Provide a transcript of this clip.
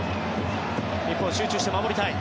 日本は集中して守りたい。